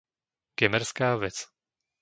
Gemerská Ves